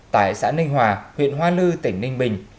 tại xã ninh hòa huyện hoa lư tỉnh ninh bình